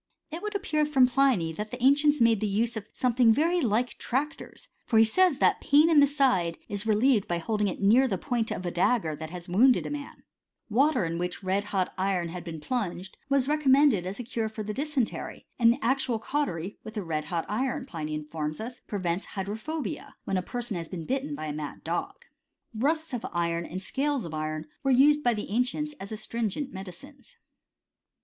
It would appear from Pliny, that the ancients made use of something very like tractors ; for he says that pain in the side is relieved by holding near it the point oi a dagger that has wounded a man. Watei CHEMISTRY Of THE AKCIlffTS. '67 in whicli red hot iron had been plunged was i^ecom inended as a cure for the dysentery ; and the actual cautery with red hot iron, Pliny informs us, prevents hydrophobia, when a person has been bitten by a mad dog. : Rust of iron and scales of iron were used by the ancients as astringent medicines.